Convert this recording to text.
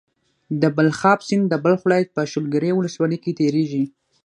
د بلخاب سيند د بلخ ولايت په شولګرې ولسوالۍ کې تيريږي.